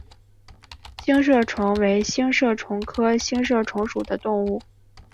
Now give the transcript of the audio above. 星射虫为星射虫科星射虫属的动物。